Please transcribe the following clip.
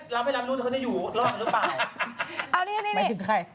รับไม่รับรู้ว่าเธอจะอยู่รอดหรือเปล่า